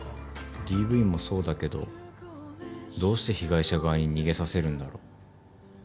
ＤＶもそうだけどどうして被害者側に逃げさせるんだろう。